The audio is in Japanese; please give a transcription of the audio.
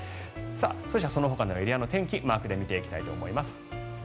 そのほかのエリアの天気をマークで見ていきたいと思います。